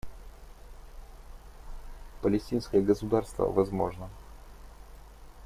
Палестинское государство возможно.